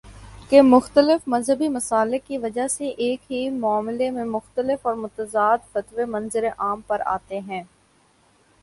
کہ مختلف مذہبی مسالک کی وجہ سے ایک ہی معاملے میں مختلف اور متضاد فتوے منظرِ عام پر آتے ہیں